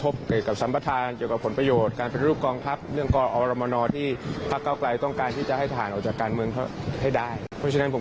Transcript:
เพราะฉะนั้นผมก็เลยคิดว่าเรื่องภาคก้าว๑๑๒